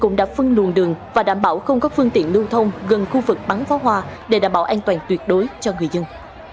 công an địa phương luôn đường và đảm bảo không có phương tiện lưu thông gần khu vực bắn phá hoa để đảm bảo an toàn tuyệt đối cho người dân